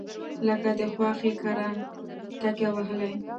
لکه د خواښې کره تکیه وهلې.